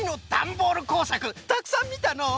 たくさんみたのう。